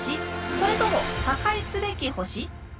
それとも破壊すべき星？